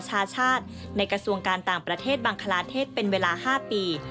ชาชาติในกระทรวงการต่างประเทศบังคลาเทศเป็นเวลา๕ปี